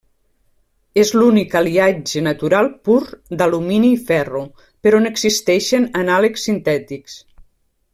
És l'únic aliatge natural pur d'alumini i ferro, però n'existeixen anàleg sintètics.